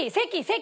席！